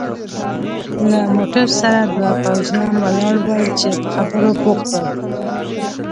له موټر سره دوه پوځیان ولاړ ول چې په خبرو بوخت ول.